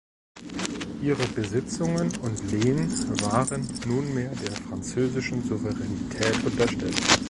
Ihre Besitzungen und Lehen waren nunmehr der französischen Souveränität unterstellt.